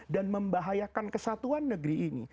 dan membahayakan kesatuan negeri ini